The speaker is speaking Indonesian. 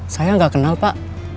saya gak kenal pak